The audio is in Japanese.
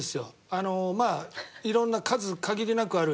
あのまあ色んな数限りなくある炎上。